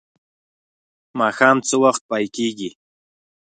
ماښام څه وخت پای کیږي؟